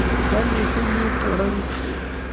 سر يې کيڼ لور ته ړنګ شو.